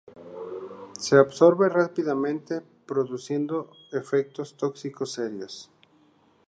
Se absorbe rápidamente produciendo efectos tóxicos serios.